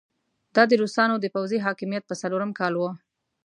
دا د روسانو د پوځي حاکميت په څلورم کال وو.